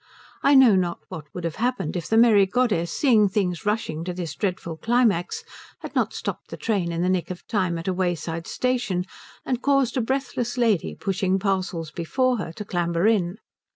I know not what would have happened if the merry goddess, seeing things rushing to this dreadful climax, had not stopped the train in the nick of time at a wayside station and caused a breathless lady, pushing parcels before her, to clamber in.